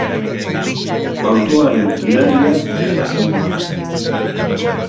Autoaren gidaria ez da zauritu.